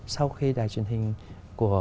sau khi đài truyền hình của